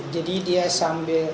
jadi dia sama